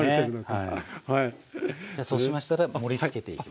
じゃあそうしましたらやっぱ盛りつけていきますね。